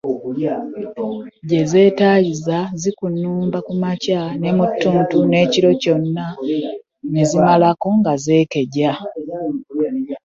Gye zeetaayiza zikunnumba ku makya ne mu ttuntu n’ekiro kyonna zikimalako nga zeekeja.